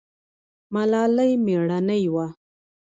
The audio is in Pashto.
ملالۍ میړنۍ وه